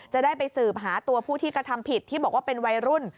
จะได้ไปสืบหาตัวผู้ที่กระทำผิดที่บอกว่าเป็นวัยรุ่น